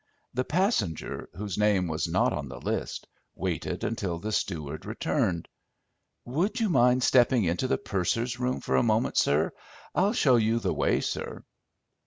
The passenger, whose name was not on the list, waited until the steward returned. "Would you mind stepping into the purser's room for a moment, sir? I'll show you the way, sir."